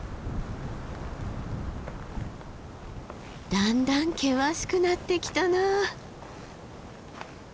だんだん険しくなってきたな。